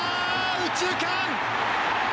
右中間！